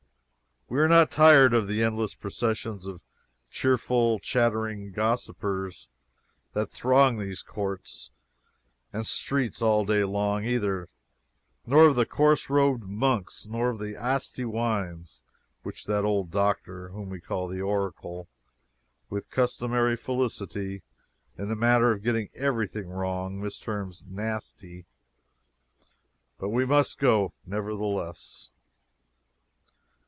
We are not tired of the endless processions of cheerful, chattering gossipers that throng these courts and streets all day long, either; nor of the coarse robed monks; nor of the "Asti" wines, which that old doctor (whom we call the Oracle,) with customary felicity in the matter of getting everything wrong, misterms "nasty." But we must go, nevertheless.